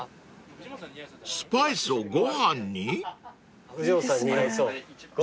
［スパイスをご飯に？］